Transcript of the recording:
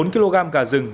bốn kg gà rừng